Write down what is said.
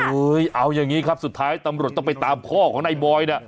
เอาอย่างนี้ครับสุดท้ายตำรวจต้องไปตามพ่อของนายบอยเนี่ย